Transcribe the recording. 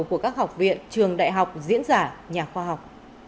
của các học viện trường đại học diễn giả nhà khoa học